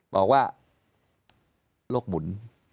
บอกว่าโรคหมุน